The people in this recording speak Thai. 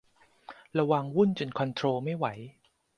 ระวังวุ่นจนคอนโทรลไม่ไหว